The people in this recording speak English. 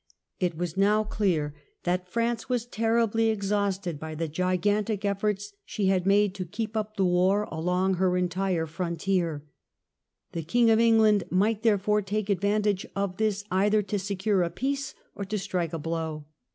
It was now clear that France was terribly exhausted by the gigantic efforts she had made to keep up the war Peace of along her entire frontier. The King of Eng Ryswick. land might therefore take advantage of this either to secure a peace or to strike a blow.